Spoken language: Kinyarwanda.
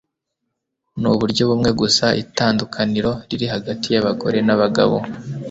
nuburyo bumwe gusa itandukaniro riri hagati y'abagore n'abagabo